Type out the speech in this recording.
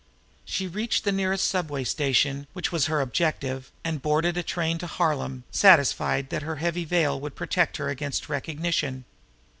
She reached the nearest subway station, which was her objective, and boarded a Harlem train, satisfied that her heavy veil would protect her against recognition.